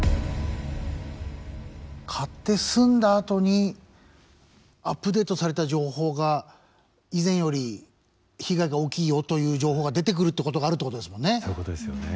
買って住んだあとにアップデートされた情報が以前より被害が大きいよという情報が出てくるってことがあるってことですもんね。